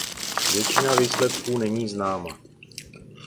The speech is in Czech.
Většina výsledků není známa.